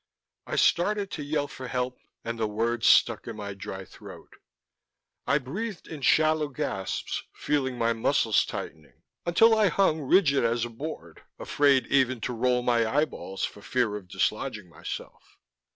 I started to yell for help, and the words stuck in my dry throat. I breathed in shallow gasps, feeling my muscles tightening, until I hung, rigid as a board, afraid even to roll my eyeballs for fear of dislodging myself.